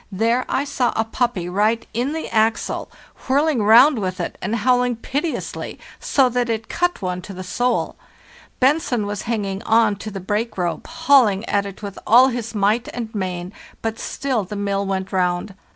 There I saw a puppy right in the axle, whirling round with it and howl ing piteously, so that it cut one to the soul. Bentzen was hanging on to the brake rope, hauling at it with all his 6 FPARTHEST NORTH might and main; but still the mill went round.